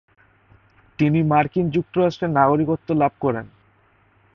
তিনি মার্কিন যুক্তরাষ্ট্রের নাগরিকত্ব লাভ করেন।